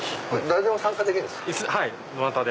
誰でも参加できるんですか？